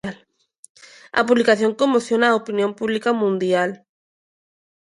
A publicación conmociona á opinión pública mundial.